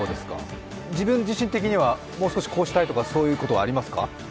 自分自身的にはもう少しこうしたいとかありますか？